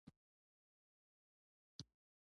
دا برخه د سرکونو د هندسي اجزاوو د ډیزاین لپاره اړینه ده